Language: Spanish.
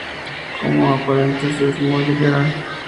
Cosmo aparentemente es muy ligera.